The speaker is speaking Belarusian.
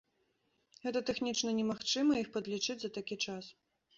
Гэта тэхнічна немагчыма іх падлічыць за такі час.